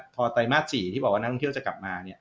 พอไตรมาส๔ที่บอกว่านักท่องเที่ยวจะกลับมาเนี่ย